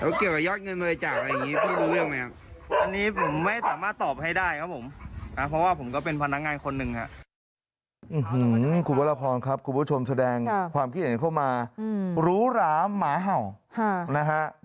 แล้วเกี่ยวกับยอดเงินบริจาคอะไรอย่างนี้พี่รู้ยังมั้ยครับ